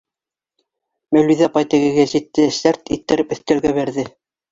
— Мәүлиҙә апай теге гәзитте сәрт иттереп өҫтәлгә бәрҙе.